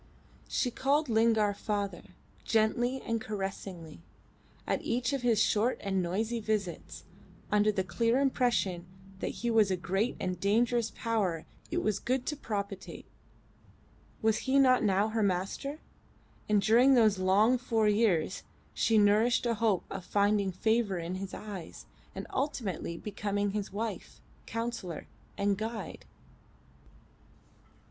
She called Lingard father, gently and caressingly, at each of his short and noisy visits, under the clear impression that he was a great and dangerous power it was good to propitiate. Was he not now her master? And during those long four years she nourished a hope of finding favour in his eyes and ultimately becoming his wife, counsellor, and guide.